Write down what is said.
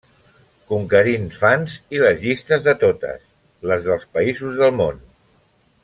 Conquerint fans i les llistes de totes les dels països del món.